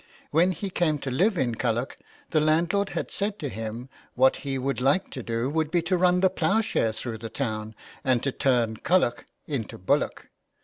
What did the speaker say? When he came to live in Culloch the landlord had said to him that what he would like to do would be to run the ploughshare through the town, and to turn '' Culloch '' into Bullock.